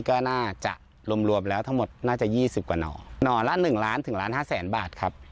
ก็น่าจะรวมรวมแล้วทั้งหมดน่าจะยี่สิบกว่าหน่อหน่อละ๑ล้านถึงล้านห้าแสนบาทครับ